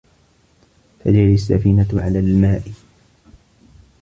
تَجْرِي السَّفِينَةُ عَلَى الْمَاءِ.